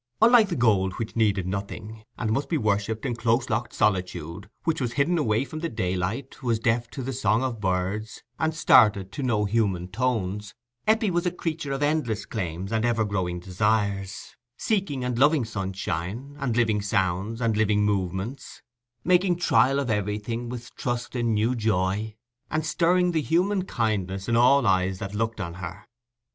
Unlike the gold which needed nothing, and must be worshipped in close locked solitude—which was hidden away from the daylight, was deaf to the song of birds, and started to no human tones—Eppie was a creature of endless claims and ever growing desires, seeking and loving sunshine, and living sounds, and living movements; making trial of everything, with trust in new joy, and stirring the human kindness in all eyes that looked on her.